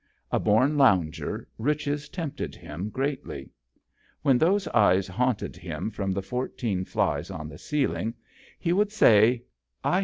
A born lounger, riches tempted him greatly. When those eyes haunt ed him from the fourteen flies on the ceiling, he would say, " I